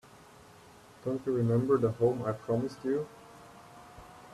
Don't you remember the home I promised you?